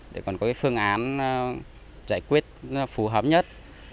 để còn có cái phương án giải quyết phù hợp nhất